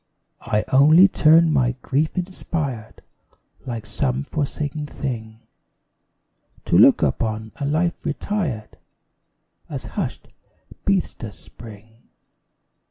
I only turn, by grief inspired, Like some forsaken thing, To look upon a life retired As hushed Bethesda's spring.